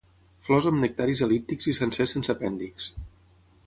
Flors amb nectaris el·líptics i sencers sense apèndixs.